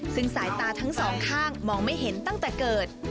ซึ่งสายตาทั้งสองข้างมองไม่เห็นตั้งแต่เกิด